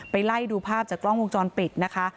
ไล่ดูภาพจากกล้องวงจรปิดนะคะ